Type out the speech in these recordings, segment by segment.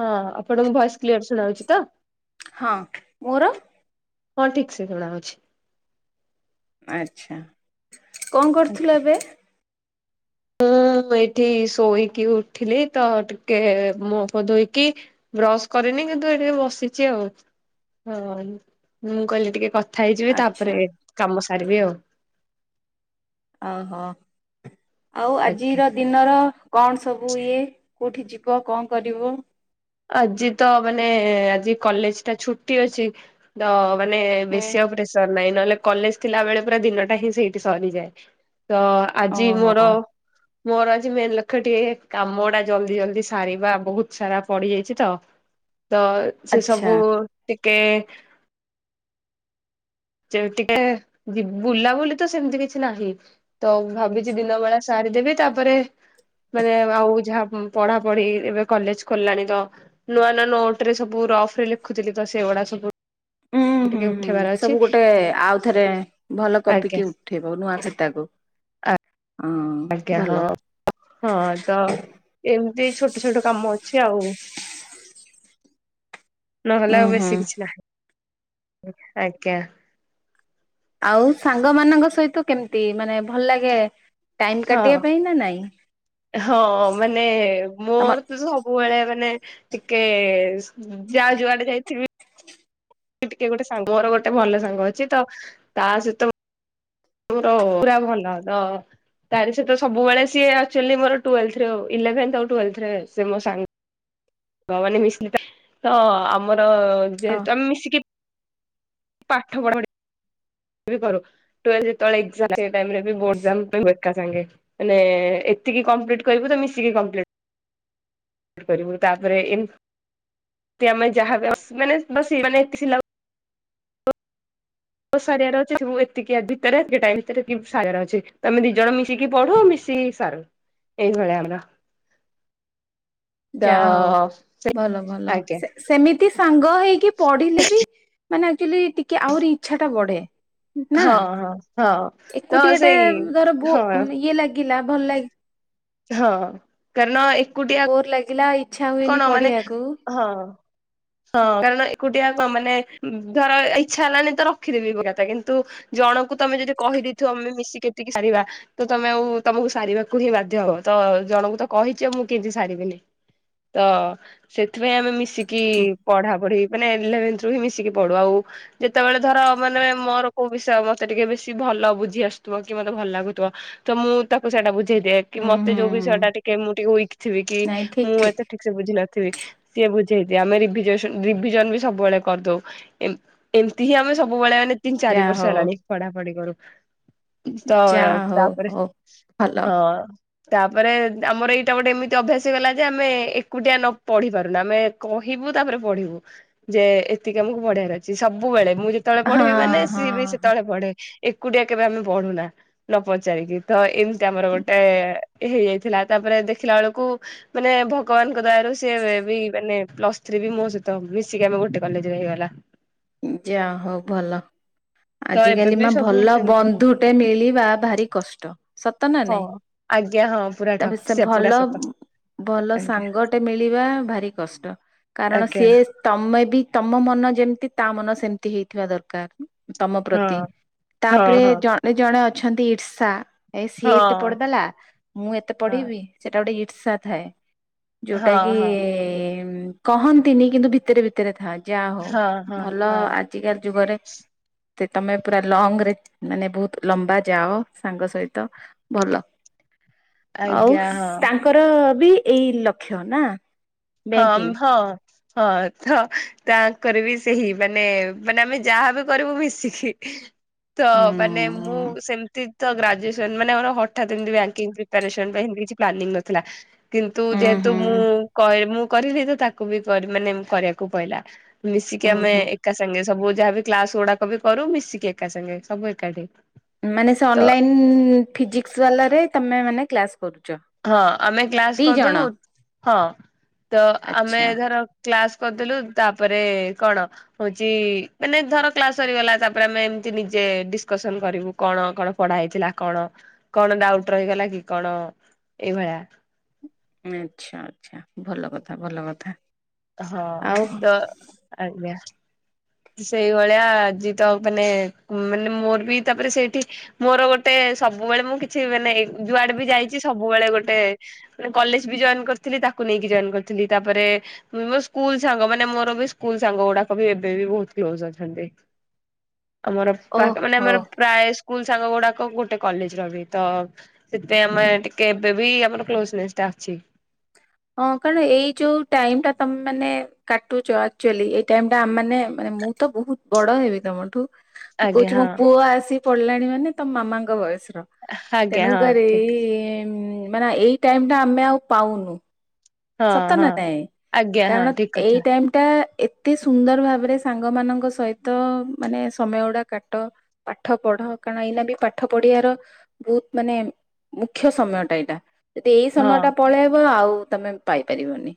ହଁ ଆପଣଙ୍କୁ voice clear ଶୁଣାଉଛି ତ। ହଁ ମୋର ହଁ ଠିକ ସେ ଶୁଣ ଅଛି। ଆଛା କଣ କରୁଥିଲ ଏବେ? ହୁଁଁ ଏଇଠି ଶୋଇକି ଉଠିଲି ତ ଟିକେ ମୁଫ ଧୋଇକି ବ୍ରଶ କରିନି କିନ୍ତୁ ଏ ଟିକେ ବସିଛି ଆଉ ହଁ ମୁଁ କହିଲି ଟିକେ କଥା ହେଇଯିବେ ଆଚ୍ଛା ତାପରେ କାମ ସାରିବି ଆଉ। ଓହୋ ଆଉ ଆଜ୍ଞା। ଆଜିର ଦିନର କଣ ସବୁ ଇଏ କେଉଁଠି ଯିବ କଣ କରିବ। ଆଜି ତ ମାନେ ଆଜି କଲେଜ ଟା ଛୁଟି ଅଛି ତ। ମାନେ ହୁଁ। ବେଶୀ ଆଉ ପ୍ରେସର ନହିଁ ନହେଲେ କଲେଜ ଥିଲା ବେଳେ ପୁରା ଦିନଟା ହିଁ ସେଇଠି ସରିଯାଏ। ତ ଆଜି ଓହୋ ମୋର ମୋର ଆଜି ମେନ ଲକ୍ଷ୍ୟ ଟିକେ କାମଡା ଜଲଦି ଜଲ୍ଦି ସାରିବା ବହୁତ ସାରା ପଡିଯାଇଛି ତ ତ ସେ ଆଚ୍ଛା। ସବୁ ଟିକେ ଯେ ଟିକେ ବୁଲାବୁଲି ତ ସେମିତି କିଛି ନାହିଁ ତ ଭାବିଛି ଦିନ ବେଳା ସା ଦେବି ତାପରେ ମାନେ ଆଉ ଯାହା ପଢାପଢି ଏବେ କଲେଜ ଖୋଲିଲାଣି ତ ନୂଆ ନୂଆ ନୋଟ ରେ ସବୁ ଅ ରେ ଲେଖୁଥିଲି ତ ସେଗୁା ହୁଁ ହୁଁ ସବୁିକ ହୁଁ ସବୁ ଗୋଟେ ଆଉଥରେ ଭଲ କପିକି ଉଠେଇବ ନୂଆ ଖାତାକୁ ଆ ହଁ ଆଜ୍ଞା ଭଲ। ହଁ ହଁ ତ ଏମିତି ଛୋଟ ଛୋଟ କାମ ଅଛି। ଆଉ ନହେଲେ ଉୁଁ ଆଉ ହୁଁ ବେଶୀ କିଛି ନାହିଁ। ଆଜ୍ଞା। ଆଉ ସାଙ୍ଗ ମାନଙ୍କ ସହିତ କେମିତି ମାନେ ଭଲ ଲାଗେ ଟାଇମ ହଁ। କାଟିବା ପାଇଁ ନା ନାଇଁ ହଁ ମାନେ ତମ ମୋର ତ ସବୁବେଳେ ମାନେ ଟିକେ ଯାହା ଯୁଆଡେ ଯାଇଥିବି। ଟିକେ ଗୋଟେ ସାଙ୍ଗ ମୋର ଗୋଟେ ଭଲ ସାଙ୍ଗ ଅଛି ତ ତା ସହିତ ର ପୁର ଭଲ ତାଲେ ସହିତ ସବୁବେଳେ ସିଏ ମୋର ଇଭେନ୍ ଆରେ ମୋ ସାଙ୍ଗ ହ ମାନେ ମିଶିଲେ ତ ଆମର ଯେ ତମେ ମିଶିକି ପାଠ ପଢ କର ଯେଳେ ସାେ ଏତିକି କମ୍ପ୍ଲିଟ କରିବୁ ତ ମିଶିକି କମ୍ପ୍ଟ କରିବୁ ତାପରେ ଏନ୍ ଆମେ ଯାହା ମାନେ ମାନେ ସାରିବାର ଅଛି ସବୁ ଏତିକି ଭିତରେଟା ଭିତରେ ସାରିବାର ଅଛି ତମେ ଦି ଜଣ ମିଶିକି ପଢ ମିଶିକ ସାର ଏଇଭଳି ଆମର [inaudible] ତ ଯା ହ ସେ ଭଲ ଭଲ ଆଜ୍ଞା ସେମିତି ସାଙ୍ଗ ହେଇକି ପଢିଲେ ବି ମାନେ ଆଚୁଲି ଟିକେ ଆହୁରି ଇଚ୍ଛା ଟା ବଢେ ନା ହଁ ହଁ ହଁ ତ ଏକୁଟିଆ ଟା ସେଇ ଧର ହଁ ଇଏ ଲାଗେ। ଗିଲା ଭଲ ଲାଗ ହଁ କରଣ? ବୋର ଲାଗିଲା ଇଚ୍ଛା ହୁଏନି ପଢେଇିବାକୁ ହଁ ହଁ କାରଣ ଏକୁଟିଆ ମାନେ ଧର ଇଚ୍ଛା ହେଲାଣିି ତ ରଖିଦେବି ଏ କଥା କିନ୍ତୁ ଜଣ ତାକୁ ତମେ ଯଦି କହିଦେଇଥିବ ଆମେ ମିଶି କେତିକି ସାରିବା ତମେ ଆଉ ତମକୁ ସାରିବାକୁ ହିଁ ବାଧ୍ୟ ହବ ତ ଜଣଙ୍କୁ ତ କହିଛ ମୁଁ କିମିତି ସାରିବିନି। [inaudible] ତ ସେଥିପାଇଁ ଆମେ ମିଶିକି ହୁଁ ପଢା ପଢି ମାନେ ଇଲେଭେଥ ରୁ ହିଁ ମିଶିକି ପଢଡୁ ଆଉ ଯେତେବେଳେ ଧର ମାନେ ମୋର କୋଉ ବିଷୟ ମତେ ଟିକେ ବେଶୀ ଭଲ। ଭଲ ବୁଝି ଆସୁଥିବ କି ମତେ ଭଲ ଲାଗୁଥିବ ତ ମୁଁ ତାକୁ ସେଇଟା ବୁଝ ଝି କି ହୁଁ ମତେ ହୁଁ ଯୋଉ ହୁଁ ବିଷୟ ଟା ଟିକେ ମୁଁ ଟିକେ କିଥିବ କି ନାଇଁ ଠିକ ମୁଁ ଠିକ ଏତେ ବୁଝ ନଥିବି ସିଏ ବୁଝଥ ଆମେ ରିଭିଜନ ବି ସବୁବେଳେ କରିଦଉ ହିଁ ଆମେ ସବୁବେଳେ ମାନେ ତିନି ଚାରି ଯା ବର୍ଷ ହଉ ହେଲାଣି ପଢାପଢି କରୁ। ତ ଯା ହଉ ତାପରେ ହଉ ଭଲ ହଁ ତାପରେ ଆମର ଏଇଟା ଗୋଟେ ଏମିତି ଅଭ୍ୟାସ ଗଲା ଯେ ଆମେ ଏକୁଟିଆ ନ ପଢି ପାରୁନ ଆମେ କହିବୁ, ତାପରେ ପଢିବୁ ଯେ ଏତିକି ଆମକୁ ପଢିବାର ଅଛି ସବୁବେଳେ। ମୁଁ ଯେତେବେଳେ ହଁ ପଢ଼ିବି ମାନେ ହଁ ସିଏ ବି ସେତେବେଳେ ପଢେ। ଏକୁଟିଆ କେବେ ଆମେ ବଢୁନା ନ ପଚାରିକି ତ ଏମିତି ଆମର ଗୋଟେ ହେଇଯାଇଥିଲା ତା ତାପରେ ଦେଖିଲା ବେଳକୁ ମାନେ ଭ ଭଗବାନଙ୍କ ଦୟାରୁ ସେ ମାନେ ପ୍ଲସ ଥ୍ରୀ ବି ମୋ ସହିତ ମିଶିକି ଆମ ଗୋଟେ କଲେଜରେ ହେଇଗଲା। ଯା ହଉ ଭଲ। ତ ଆଜି ଏବେ କାଲି ବି ମା ସବୁ ଭଲ ସେମିତି ବନ୍ଧୁଟେ ମିଳିବା ଭାରି କଷ୍ଟ ନା ହଁ ନାଇଁ ଆଜ୍ଞା ହଁ ପୁରା ତାପରେ ଠକ୍ ସେ ଭଲ ପୁରା ସତ ଭଲ ଆଜ୍ଞା ସାଙ୍ଗଟେ ମିଳିବା ଭାରି କଷ୍ଟ। କାରଣ ଆଜ୍ଞା ସିଏ ତମେ ବି ତମ ମନ ଯେମତି ତା ମନ ସେମିତି ହେଇଥିବା ଦରକାର ତମ ପ୍ରତି ହଁ ହଁ ତାପରେ ହଁ ଜଣେ ଜଣେ ଅ ଅଛନ୍ତି ଇର୍ଷା ଏ ସିଏ ହଁ ଏତେ ପଢଦେଲା ମୁଁ ଏତେ ହଁ। ପଢେଇିବି ସେଟା ଗୋଟେ ଥାଏ ଯୋଉଟା ହଁ କି ହଁ କହନ୍ତିନି କିନ୍ତୁ ଭିତରେ ଭିତରେ ଥାଆନ୍ତି ଯା ହଉ ହଁ ହଁ ଭଲ ହଁ ଆଜିକା ଯୁଗରେ ସେ ତମେ ପୁରା ଲଙ୍ଗ୍ ରେ ମାନେ ବହୁତ ଲମ୍ବା ଯାଅ ସାଙ୍ଗ ସହିତ ଭଲ। ଆଉ ଆଜ୍ଞା ହଁ ତାଙ୍କର ବି ଏଇ ଲକ୍ଷ୍ୟ ନା ହଁ ବ୍ୟାଙ୍କିଙ୍ଗ। ହଁ। ହଁ ତ ତାଙ୍କର ବି ସେହି ମାନେ ମାନେ ଆମେ ଯାହାବ କରିବୁ ମିଶିକି ତ ହୁଁ ମାନେ ମୁଁ ସେମତି ତ ଗ୍ରାଜୁଏସନ ମାନେ ହଠାତ୍ ଏମିତି ବ୍ୟାଙ୍କିଙ୍ଗ୍ ପ୍ରିପାରେସନ୍ ପାଇଁ ଏମିତି କିଛି ପ୍ଲାନିଂ ନଥିଲା। କିନ୍ତୁ ହୁଁ ଯେହେତୁ ହୁଁ। ମୁଁ କହି ମୁଁ କରିଲି ତ ତାକୁ ବି କରି ମାନେ କରିବାକୁ ପଡିଲା। ମିଶିକି ଉୁଁ ଆମେ ହୁଁ ଏକା ସାଙ୍ଗେ ସବୁ ଯାହାବି କ୍ଲାସ ଗୁଡାକ ବି କରୁ ମିଶିକି, ଏକା ସାଙ୍ଗେ ସବୁ ଏକାଠି ମାନେ ସେ ତ ଅନଲାଇନ ଫିଜିକସ ବାଲାରେ ତମେ ମାନେ କ୍ଲାସ କରୁଛ ହଁ ଆମେ କ୍ଲାସ ଦି ଜଣ କରିଦବୁ ହଁ ତ ଆମେ ଆଚ୍ଛା ଧର କ୍ଲାସ କରିଦେଲୁ ତାପରେ କଣ ହଉଛି ମାନେ ଧର କ୍ଲାସ ସରିଗଲା ତାପରେ ଆମେ ଏମ ନିଜେ ଡିସକସନ କରିବୁ କଣ କଣ ପଢା ହେଇଥିଲା, କଣ କଣ ଡାଉଟ ରହିଗଲା କି କଣ ଏଇଭଳିଆ ଆଚ୍ଛା ଆଛା ଭଲ କଥା ଭଲ କଥା। ହଁ ଆଉ ତ ଆଜ୍ଞା। ସେଇଭଳିଆ ଆଜି ତ ମାନେ ମାନେ ମୋର ବି ତାପରେ ସେଇଠି ମୋର ଗୋଟେ ସବୁବେଳେ ମୁଁ କିଛି ମାନେ ଯୁଆଡେ ବି ଯାଇଛି, ସବୁବେଳେ ଗୋଟେ କଲେଜ ବି ଜଏନ କରିଥିଲି ତାକୁ ନେଇକି ଜଏନ କରିୁଥିଲି ତାପରେ ମୁ ମୋ ସ୍କୁଲ ସାଙ୍ଗ ମାନେ ମୋର ବି ସ୍କୁଲ ସାଙ୍ଗ ଗୁଡାକ ବି ଏବେ ବି ବହୁତ କ୍ଲୋଜ ଅଛନ୍ତି। ଆମର ପାଖ ମାନେ ଓହୋ। ଆମର ପ୍ରାୟ ସ୍କୁଲ ସାଙ୍ଗ ଗୁଡାକ ଗୋଟେ କଲେଜ ର ବି ତ ସେଥିପାଇଁ ଆମେ ଟିକେ ଏବେ ବି ଆମର କ୍ଲୋଜନେସ୍ ଟା ଅଛି। ହଁ କାରଣ ଏଇ ଯୋଉ ଟାଇମ ଟା ତମେ ମାନେ କାଟୁଛ, ଆକ୍ଚୁଆଲୀ ଏଇ ଟାଇମ ଟା ଆମେମାନେ ମା ମୁଁ ତ ବହୁତ ବଡ ହେବି ତମଠୁ ମୁଁ ଆଜ୍ଞା କହୁଛି ମୋ ହଁ ପୁଅ ଆସିି ପଡିଲାଣି ମାନେ ତମ ମାମାଙ୍କ ବୟସ ର ଆଜ୍ଞା ହଁ ତେଣୁକରି ଠିକ ଇମ୍ ମାନେ ଏଇ ଟାଇମ ଟା ଆମେ ଆଉ ପାଉନୁ ହଁ ସତ ନା ହଁ ନାଇଁ ଆଜ୍ଞା ହଁ କାରଣ ଠିକ ଏଇ କଥା। ଟାଇମ ଟା ଏତେ ସୁନ୍ଦର ଭାବରେ ସାଙ୍ଗ ମାନଙ୍କ ସହିତ ମାନେ ସମୟ ଗୁଡା କାଟ ପାଠ ପଡ- ହ କାରଣ ଏଇନା ବି ପାଠ ପଢିବାର ବହୁତ ମାନେ ମୁଖ୍ୟ ସମୟଟା ଏଇଟା ଯଦି ଏଇ ହଁ ସମୟ ଟା ପଳେଇବ ଆଉ ତମେ ପାଇପାରିବନି।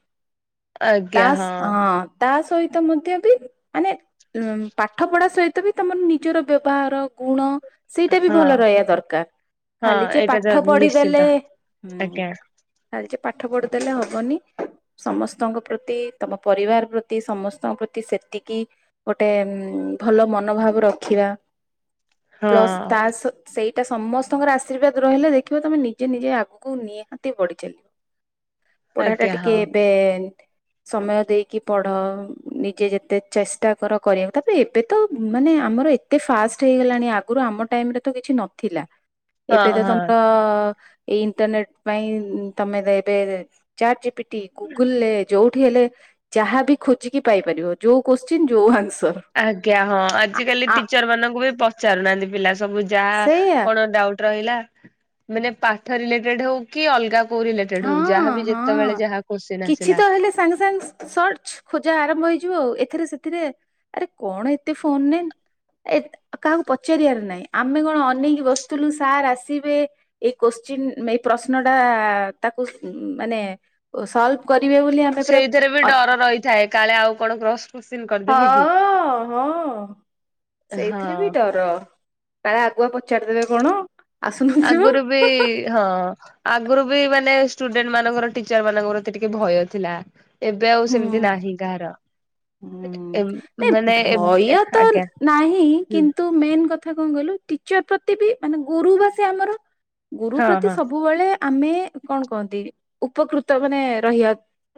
ତାସ୍ ହଁ ତା ସହିତ ମଧ୍ୟ ବି ମାନେ ଉଁ ପାଠପଢ଼ା ସହିତ ବି ତମର ନିଜର ବ୍ୟବହାର ଗୁଣ ସେଇଟା ବି ଭଲ ହଁ। ରହିବା ଦରକାର। ହଁ ଖାଲି ଯେ ଏଇଟା ପାଠ ତ ପଢିଦେଲେ ନିଶ୍ଚିନ୍ତ ହୁଁ ଆଜ୍ଞା ଖାଲି ଯେ ପାଠ ପଢିଦେଲେ ହ ବନି ସମସ୍ତଙ୍କ ପ୍ରତି ତମ ପରିବାର ପ୍ରତି ସମସ୍ତଙ୍କ ପ୍ରତି ସେତିକି ଗୋଟେ ଉଁ ଭଲ ମନୋଭାବ ରଖିବା ହଁ ପ୍ଲସ୍ ତାସ୍ ସେଇ ସେଇଟା ସମସ୍ତଙ୍କର ଆଶୀର୍ବାଦ ରହିଲେ ଦେଖିବ ତମେ ନିଜେ ନିଜେ ଆଗକୁ ନିହାତି ବଢି ଚାଲିବ। ପଢ଼ା ଟା ଆଜ୍ଞା ଟିକେ ହଁ। ଏବେଣ୍ଟ ସମୟ ଦେଇକି ପଢ ନିଜେ ଯେତେ ଚେଷ୍ଟା କର କରିବାକୁ ତାପରେ ଏବେ ତ ମାନେ ଆମର ଏତେ ଫାଷ୍ଟ ହେଇଗଲାଣି ଆଗରୁ ଆମ ଟାଇମରେ ତ କିଛି ନଥିଲା। ହଁ ଏବେ ତ ହଁ ତମର ଏଇ ଇଣ୍ଟରନେଟ ପାଇଁ ଇଁ ତମେ ତ ଏବେ ଚାଟ ଜି ପି ଟି, ଗୁଗୁଲଲେ ଯୋଉଠି ହେଲେ ଯାହାବି ଖୋଜିକି ପାଇପାରିବ ଯୋଉ କୋଶ୍ଚିନ୍ ଯୋଉ ଆନ୍ସ ଆଜ୍ଞା ହଁ ଆଜିକାଲି ଟିଚର ମାନଙ୍କୁ ବି ପଚାରୁନାହାନ୍ତି ପିଲା ସ ସବୁ ଯାହା ସେଇଆ କଣ ଡାଉଟ ରହିଲା ମାନେ ପାଠ ରିଲେଟେଡ ହଉ କି ଅଲଗା କୋଉ ରିଲେଟେଡ ହଉ ହଁ ଯାହାବି ହଁ ଯେତେବେଳେ ଯାହା କୋଶ୍ଚିନ୍ କିଛି ଆସିଲା ତ ହେଲେ ସାଙ୍ଗେ ସାଙ୍ଗେ ସର୍ଚ୍ଚ ଖୋଜା ଆରମ୍ଭ ହେଇଯିବ ଆଉ ଏଥିରେ ସେଥିରେ ଆରେ କଣ ଏତେ ଫୋନ ନେମ୍ ଏତ୍ କାହାକୁ ପଚାରିବାର ନାହିଁ। ଆମେ କଣ ଅନେକି ବସୁଥିଲୁ ସାର୍ ଆସିବେ, ଏଇ କୋସ୍ ଚୀନ୍ ମେଇ ପ୍ରଶ୍ନ ଟାଆ ତାକୁ ଉଁ ମାନେ ସୋଲବ କର୍ ସେଇଥିରେ ବି ଡର ରହିଥାଏ କାଳେ ଆଉ କଣ କ୍ରସ୍ କଶ୍ଚିନ୍ ହଁ ହଁ ହଁ ସେଇଥିରେ ବି ହଁ ଡର। କାଳେ ଆଗୁଆ ପଚାରିଦେବେ କଣ? ଆସୁନଥିବ। ଆଗରୁ ବି ହଁ ଆଗରୁ ବି ମାନେ ଷ୍ଟୁଡେଣ୍ଟମାନଙ୍କର ଟିଚର ମାନଙ୍କ ପ୍ରତି ଟିକେ ଭୟ ଥିଲା। ଏବେ ଆଉ ହୁଁ ସେମିତି ନାହିଁ କାହାର। ହୁଁ ଏ ନାଇ ମାନେ ଏବେ ଭୟ ତ ଆଜ୍ଞା ନାହିଁ ହୁଁ କିନ୍ତୁ ମେନ୍ କଥା କଣ କଇଲ୍ ଲୁ ଟିଚର ପ୍ରତି ବି ମାନେ ଗୁରୁ ବା ସେ ଆମର ଗୁରୁ ହଁ ହଁ ପ୍ରତି ସବୁବେଳେ ଆମେ କଣ କହନ୍ତି ଉପକୃତ ମାନେ ରହିବା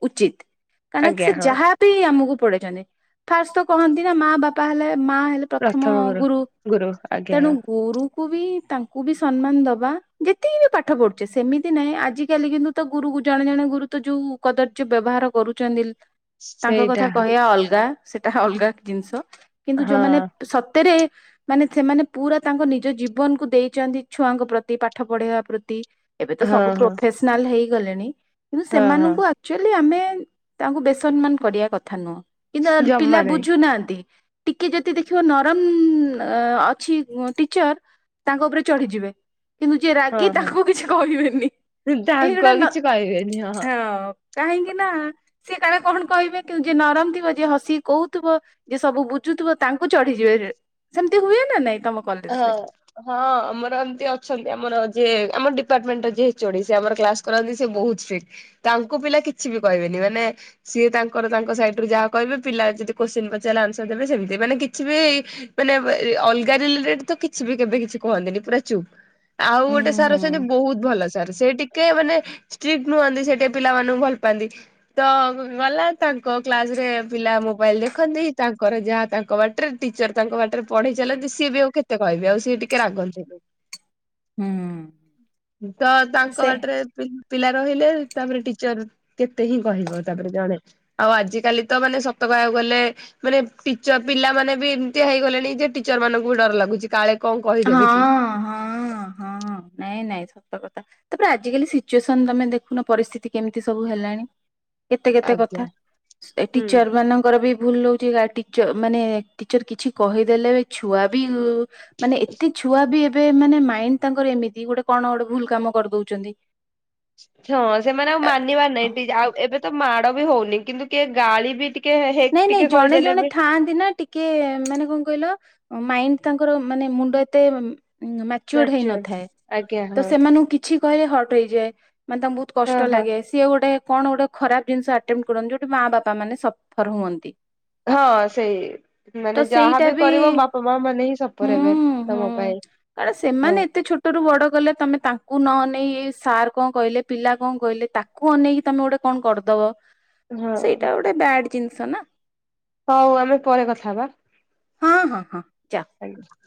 ଉଚିତ୍। କାରଣନା ଆଜ୍ଞା ସେ ହଁ ଯାହା ବିି ଆମକୁ ପଡେଇଛନ୍ତି ଫାଷ୍ଟ ତ କହନ୍ତି ନା ମା ବାପା ହେଲେ ମା ହେଲେ ପ୍ରଥମ ଗୁରୁ। ଗୁରୁ ଆଜ୍ଞା ତେଣୁ ହଁ। ଗୁରୁ ଙ୍କୁ ବି ତାଙ୍କୁ ବି ସମ୍ନାନ ଦେବା। ଯେତିକି ବି ପାଠ ପଢୁଛେ ସେମିତି ନହିଁ ଆଜି କାଲି କିନ୍ତୁ ତ ଗୁରୁ ହୁଗୁ ଜଣେ ଜଣେ ଗୁରୁ ତ ଯୋଉ କଦର୍ଯ୍ୟ ବ୍ୟବହାର କରୁଛନ୍ତି ତାଙ୍କ ସେଇଟା କଥା କହିବା ଅଲଗା, ସେଟା ଅଲଗା ଜିନିଷ କିନ୍ତୁ ହଁ ଯୋଉମାନେ ସତରେ ମାନେ ସେମାନେ ପୁରା ତାଙ୍କ ନିଜ ଜୀବନକୁ ଦେଇଛନ୍ତି ଛୁଆଙ୍କ ପ୍ରତି ପାଠ ପଢେଇବା ପ୍ରତି ଏବେ ତ ହଁ ସବୁ ହଁ ପ୍ରଫେସନାଲ ହେଇଗଲେଣି କିନ୍ତୁ ହଁ ହଁ ସେମାନଙ୍କୁ ଆକଚୁଆଲି ଆମେ ତାଙ୍କୁ ବେସନ୍ମାନ କରିବା କଥା ନୁହଁ କିନ୍ତୁ ପିଲା ଜମା ନାହିଁ ବୁଝୁନାହାନ୍ତି। ଟିକେ ଯଦି ଦେଖିବ ନରମ ଅ ଅଛି ଟିଚର ତାଙ୍କ ଉପରେ ଚଢିଯିବେ। କିନ୍ତୁ ଯିଏ ହଁ ରାଗି ହଁ ତାକୁ କିଛି କହିବେନି। ତାଙ୍କୁ ଏହିଗୁଡା ଆଉ ନ କିଛି କହିବେନି ହଁ କାହିଁକି ନା ସେ କାଳେ କଣ କହିବେ କି ଯେ ନରମ ଥିବ ଯେ ହସି କହୁଥିବ ଯେ ସବୁ ବୁଝୁ ଥୁବ ତାଙ୍କୁ ଚଢିଯିବେ ର୍ ସେମତି ହୁଏ ନା ନାଇଁ। ତମ କଲେଜ ରେ? ହଁ ହଁ ଆମର ଏମତି ଅଛନ୍ତି ଆମର ଯିଏ ଆମର ଡ଼ି ଡିପାର୍ଟମେଣ୍ଟର ଯିଏ ଏ ଚୋ ଡି ଆମର କ୍ଲାସ କରନ୍ତି ସେ ବହୁତ ଷ୍ଟ୍ରିଟ୍ ତାଙ୍କୁ ପିଲା କିଛି ବି କହିବେନି ମାନେ ସିଏ ତାଙ୍କର ତାଙ୍କ ସାଇଡୁ ଯାହା କହିବେ ପିଲା ଯଦି କୋଶ୍ଚିନ ପଚାରିଲେ ଆନ୍ସର ଦେବେ ସେମିତି ମାନେ କିଛି ବି ମାନ [unintelligible] ଅଲଗା ରି ତ କିଛି ବି କେବେ କିଛି କହନ୍ତିନି ପୁରା ଚୁପ୍ ଆଉ ଗୋଟେ ଉୁଁ ସାର୍ ହୁଁ ଅଛନ୍ତି ବହୁତ ଭଲ ସାର୍ ସେ ଟିକେ କେ ମାନେ ଷ୍ଟ୍ରିକ୍ ନୁହନ୍ତି ସେଠି ପିଲାମାନଙ୍କୁ ଭଲ ପାଆନ୍ତି ତ ଗଲା ତାଙ୍କ କ୍ଲାସ ତିରେ ପିଲା ମୋବାଇଲ ଦେଖନ୍ତି ତାଙ୍କର ଯାହା ତାଙ୍କ ବାଟରେ ଟିଚର ତାଙ୍କ ବାଟରେ ପଢେଇ ଚାଲନ୍ତି ସିଏ ବି ଆଉ କେ ତେ କହିବି ଆଉ ସିଏ ଟିକେ ରାଗନ୍ତି। ହୁଁ। ତ ତାଙ୍କ ସେ ବାଟରେ ପିଲା ରହିଲେ ତାପରେ ଟିଚର କେତେ ହିଁ କହିବ ତାପରେ ଜଣେ ଆଉ ଆଜିକାଲି ତ ମାନେ ସତ କୁ ଗଲେ ମାନେ ଟିଚର ପିଲା ମାନେ ବି ଏମିତିଆ ହେଇଗଲେଣି ଯେ ଟିଚର ମାନଙ୍କୁ ବି ଡର ଲାଗୁଛି। କାଳେ କଣ କହିଦେବେ କି। ହଁ ହଁ ହଁ ନାଇଁ ନାଇଁ। ସତର୍କ ତାପରେ ଆଜିକାଲି ସିଚୁଏସନ ତମେ ଦେଖୁନ ପରିସ୍ଥିତି କେମିତି ସବୁ ହେଲାଣି। କେତେ କେତେ କଥା ଆଜ୍ଞା ହୁଁ। ଟିଚର ମାନଙ୍କର ବି ଭୁଲ ହଉଛି। ମାନେ ଟିଚର କିଛି କହିଦେଲେ ଛୁଆ ବି ମାନେ ଏତେ ଛୁଆ ବି ଏ ମାନେ ମାଇଣ୍ଡ ତାଙ୍କର ଏମିତି ଗୋଟେ କଣ ଗୋଟେ ଭୁଲ କାମ କରିଦଉଛନ୍ତି। ହଁ ସେମାନେ ଆଉ ମାନିବାର ନାଇଁ ଟିକ ଆଉ ଏବେ ତ ମାଡ ବି ହଉନି, କିନ୍ତୁ କିଏ ଗାଳି ବି ଟିକେ ହେ ନାଇଁ ନାଇଁ ଟିକେ ଜଣେ କହିଦେଲେ ବି ଜଣେ ଥାଆନ୍ତି ନା ଟିକେ ମାନେ କଣ କହିଲ ମାଇଣ୍ଡ ତାଙ୍କର ମାନେ ମୁଣ୍ଡ ଏତେ ମାଚୋର ମ୍ୟାଚୁର ହେଇନଥାଏ ଆଜ୍ଞା ତ ହଁ ସେମାନଙ୍କୁ କିଛି କହିଲେ ହଟ୍ ହେଇଯାଏ, ମାନେ ତାଙ୍କୁ ବହୁତ ହଁ କଷ୍ଟ ହଁ ଲାଗେ ସିଏ ଗୋଟେ କଣ ଗୋଟେ ଖରାପ ଜିନିଷ ଆଟେମ୍ କରନ୍ତି ଗୋଟେ ମା ବାପା ମାନେ ସଫର ହୁଅନ୍ତି। ହଁ ସେଇ ତ ମାନେ ସେଇଟା ଯାହାବ ବି କରିବ ବାପା ମା ମାନେ ହିଁ ହୁଁ ସପରେ ହେବେ ହୁଁ ତମ ପାଇଁ। କାରଣ ହଁ ସେମାନେ ଏତେ ଛୋଟ ରୁ ବଡ ଗଲେ ତମେ ତାଙ୍କୁ ନ ସାର୍ କଣ କହିଲେ ପିଲା କଣ କହିଲେ ତାକୁ ଅନେଇକି ତମେ ଗୋଟେ କଣ କରିଦବ। ହଁ ସେଇଟା ଗୋଟେ ବ୍ୟାଡ ଜିନିଷ ନା। ହଉ ଆମେ ପରେ କଥା ହବା ହଁ ହଁ ହଁ ଯା ଆଜ୍ଞ।